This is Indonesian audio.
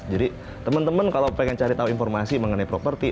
jadi temen temen kalau pengen cari tahu informasi mengenai properti